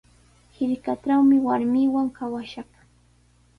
Hirkatrawmi warmiiwan kawashaq.